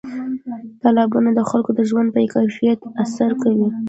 تالابونه د خلکو د ژوند په کیفیت تاثیر کوي.